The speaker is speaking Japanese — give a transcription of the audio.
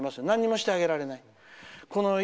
何もしてあげられない。